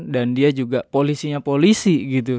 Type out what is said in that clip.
dan dia juga polisinya polisi